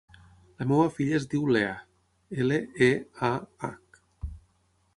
La meva filla es diu Leah: ela, e, a, hac.